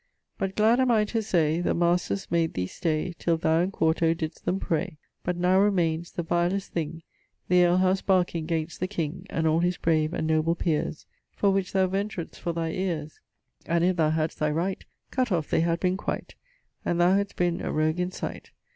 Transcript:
But glad am I to say The Masters made the stay Till thou in quarto didst them pray. But now remaines the vilest thing, The alehouse barking 'gainst the king And all his brave and noble peeres; For which thou ventredst for thy eares. And if thou hadst thy right, Cutt off they had been quite And thou hadst been a rogue in sight.